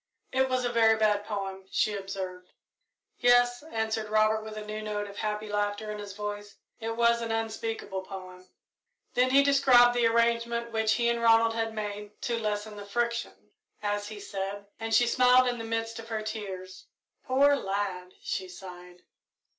"It was a very bad poem," she observed. "Yes," answered Robert, with a new note of happy laughter in his voice; "it was an unspeakable poem." Then he described the arrangement which he and Ronald had made "to lessen the friction," as he said, and she smiled in the midst of her tears. "Poor lad!" she sighed.